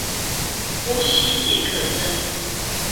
波西傑克森